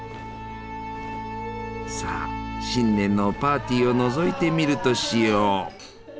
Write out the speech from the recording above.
さあ新年のパーティーをのぞいてみるとしよう。